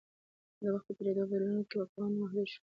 د وخت په تېرېدو او بدلونونو کې واکونه محدود شول